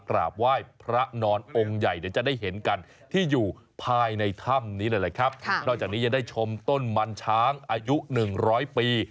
กราบไหว้พระนอนองค์ใหญ่เดี๋ยวจะได้เห็นกันที่อยู่ภายในถ้ำนี้เลยแหละครับนอกจากนี้ยังได้ชมต้นมันช้างอายุหนึ่งร้อยปี